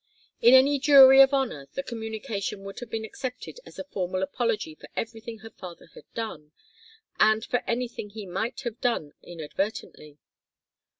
In any jury of honour the communication would have been accepted as a formal apology for everything her father had done, and for anything he might have done inadvertently.